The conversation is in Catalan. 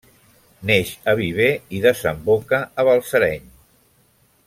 Neix a Viver i desemboca a Balsareny.